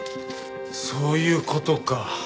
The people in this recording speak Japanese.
そういう事か。